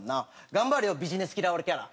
頑張れよビジネス嫌われキャラ。